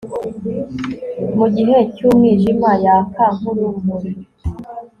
mu gihe cy'umwijima, yaka nk'urumuri